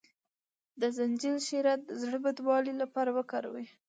د زنجبیل شیره د زړه بدوالي لپاره وکاروئ